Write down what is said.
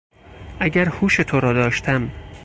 اگر هوش تو را داشتم